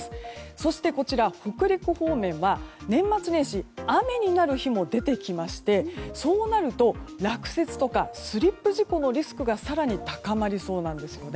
そして、こちら、北陸方面は年末年始雨になる日も出てきましてそうなると、落雪とかスリップ事故のリスクが更に高まりそうなんですよね。